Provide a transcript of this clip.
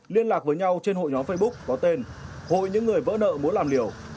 liên lạc với nhau trên hội nhóm facebook có tên hội những người vỡ nợ muốn làm liều